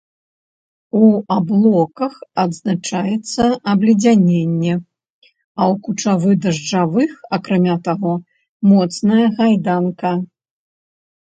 У аблоках адзначаецца абледзяненне, а ў кучава-дажджавых, акрамя таго, моцная гайданка.